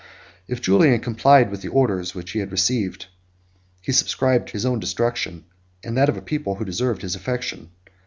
If Julian complied with the orders which he had received, he subscribed his own destruction, and that of a people who deserved his affection.